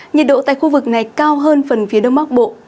nhiệt độ tại khu vực này cao hơn phần phía đông bắc bộ